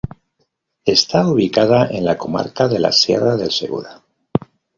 Está ubicada en la comarca de la Sierra del Segura.